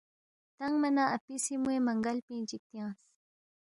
تنگما نہ اپی سی موے منگل پِنگ چِک تیانگس